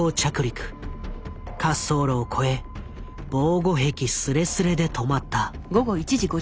滑走路を越え防護壁すれすれで止まった。